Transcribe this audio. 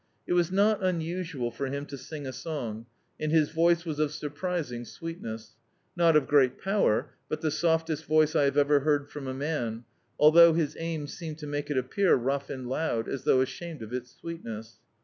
It was not unusual for him to sing a song, and his voice was of surprising sweetness ; not of great power, but the softest voice I have ever heard from a man, although his aim seemed to make it appear rou^ and loud, as though ashamed of its sweemess.